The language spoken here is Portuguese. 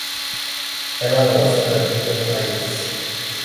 Ela gosta da vida no país